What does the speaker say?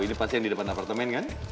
ini pasti yang di depan apartemen kan